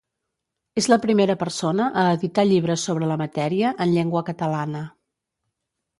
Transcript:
És la primera persona a editar llibres sobre la matèria en llengua catalana.